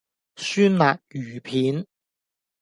酸辣魚片